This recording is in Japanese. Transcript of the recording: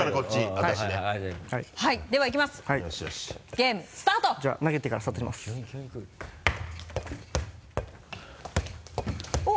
ゲームスタート！じゃあ投げてからスタートしますおっ！